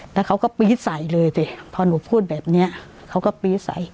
แล้วเขาก็ปี๊ดใส่เลยสิพอหนูพูดแบบนี้เขาก็ปี๊ดใส่